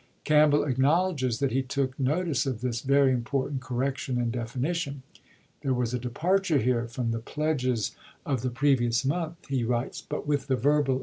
Campbell acknowledges that he took notice of this very important correction and definition. " There was a departure here from the pledges of the pre THE EEBEL GAME 411 vious month," he writes ;" but with the verbal ex ch.